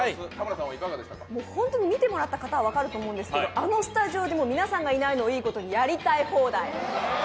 本当見てもらった方は分かると思うんですけど、あのスタジオで皆さんがいないことをいいことにやりたい放題！